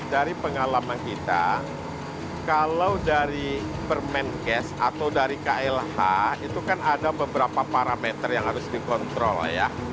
kalau kita di rumah kita kalau dari permen gas atau dari klh itu kan ada beberapa parameter yang harus dikontrol ya